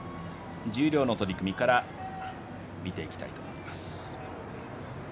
十両の取組から見ていきたいと思います。